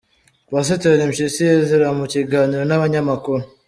Pasiteri Mpyisi Ezra mu kiganiro n’abanyamakuru